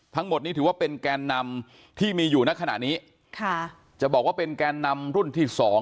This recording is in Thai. ทั้งหมดนี้ถือว่าเป็นแกนนำที่มีอยู่ในขณะนี้ค่ะจะบอกว่าเป็นแกนนำรุ่นที่สอง